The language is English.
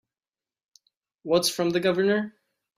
What's from the Governor?